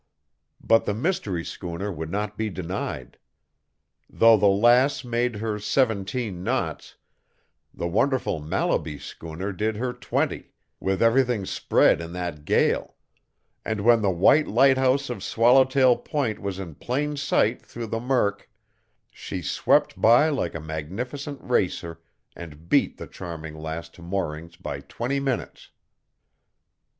But the mystery schooner would not be denied. Though the Lass made her seventeen knots, the wonderful Mallaby schooner did her twenty, with everything spread in that gale; and when the white lighthouse of Swallowtail Point was in plain sight through the murk, she swept by like a magnificent racer and beat the Charming Lass to moorings by twenty minutes.